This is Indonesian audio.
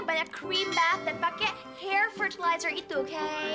banyak cream bath dan pake hair fertilizer itu oke